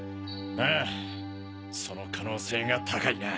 ああその可能性が高いな。